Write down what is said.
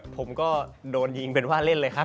ผมก็โดนยิงเป็นว่าเล่นเลยครับ